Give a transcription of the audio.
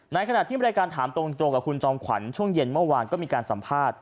ในขณะที่รายการถามตรงกับคุณจอมขวัญช่วงเย็นเมื่อวานก็มีการสัมภาษณ์